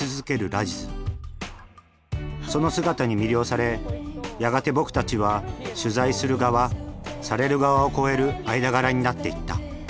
その姿に魅了されやがて僕たちは取材する側される側を超える間柄になっていった。